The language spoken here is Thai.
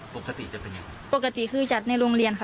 ปกติจะเป็นยังไงปกติคือจัดในโรงเรียนค่ะ